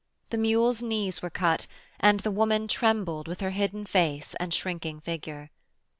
The mule's knees were cut, and the woman trembled with her hidden face and shrinking figure.